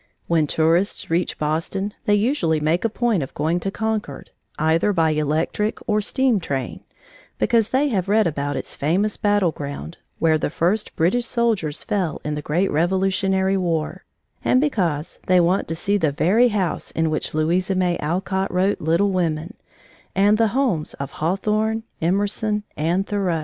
When tourists reach Boston they usually make a point of going to Concord, either by electric or steam train, because they have read about its famous battle ground, where the first British soldiers fell in the great Revolutionary War, and because they want to see the very house in which Louisa May Alcott wrote Little Women, and the homes of Hawthorne, Emerson, and Thoreau.